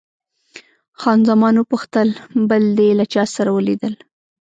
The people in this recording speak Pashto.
خان زمان وپوښتل، بل دې له چا سره ولیدل؟